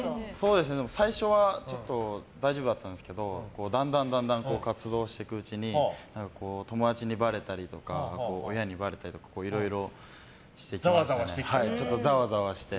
最初は大丈夫だったんですけどだんだん活動していくうちに友達にばれたりとか親にばれたりとかいろいろしてちょっとざわざわして。